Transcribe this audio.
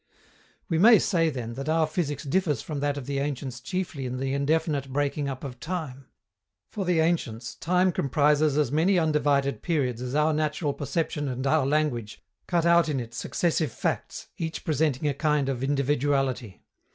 We may say, then, that our physics differs from that of the ancients chiefly in the indefinite breaking up of time. For the ancients, time comprises as many undivided periods as our natural perception and our language cut out in it successive facts, each presenting a kind of individuality.